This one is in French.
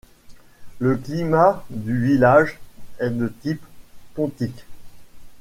Le climat du village est de type pontique.